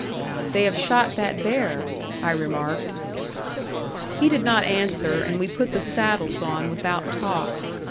"They have shot that bear," I remarked. He did not answer, and we put the saddles on without talk.